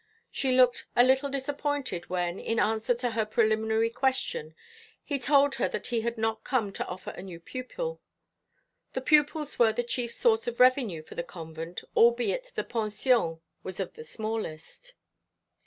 She looked a little disappointed when, in answer to her preliminary question, he told her that he had not come to offer a new pupil. The pupils were the chief source of revenue for the convent, albeit the pension was of the smallest.